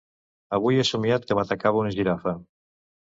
Avui he somiat que m'atacava una Girafa.